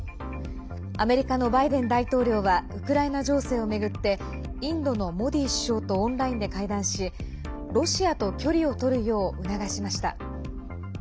アメリカのバイデン大統領はウクライナ情勢を巡ってインドのモディ首相とオンラインで会談しロシアと距離を取るよう促しました。